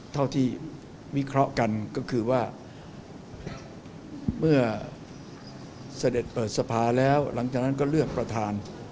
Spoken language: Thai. เท่าที่วิเคราะห์กันก็คือว่าเมื่อเสด็จเปิดสภาแล้วหลังจากนั้นก็เลือกประธาน